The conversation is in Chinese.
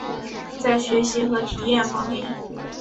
在实习和体验方面